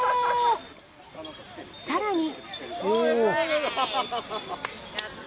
さらに。